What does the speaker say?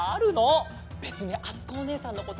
べつにあつこおねえさんのこと